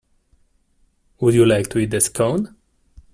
Would you like to eat a Scone?